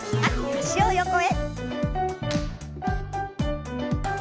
脚を横へ。